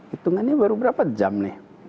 hitungannya baru berapa jam nih